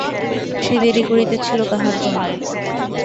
সে দেরি করিতেছিল কাহার জন্য?